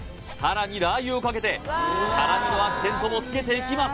さらにラー油をかけて辛みのアクセントもつけていきます